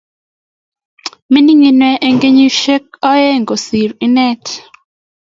Mining ine eng kenyishek aeng kosir inet